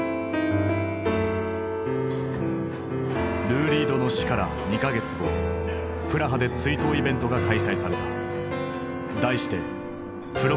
ルー・リードの死から２か月後プラハで追悼イベントが開催された。